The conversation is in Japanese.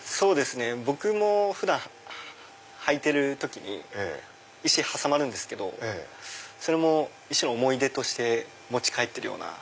僕も普段履いてる時に石挟まるんですけどそれも一種の思い出として持ち帰ってるような。